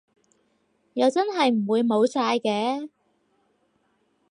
又真係唔會冇晒嘅